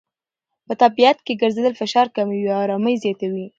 په طبیعت کې ګرځېدل فشار کموي او آرامۍ زیاتوي.